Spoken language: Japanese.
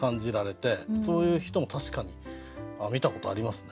そういう人も確かに見たことありますね。